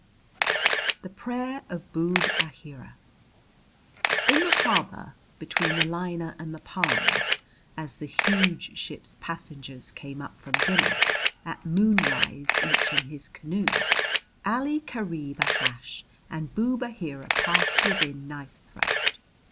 THE PRAYER OF BOOB AHEERA In the harbour, between the liner and the palms, as the huge ship's passengers came up from dinner, at moonrise, each in his canoe, Ali Kareeb Ahash and Boob Aheera passed within knife thrust.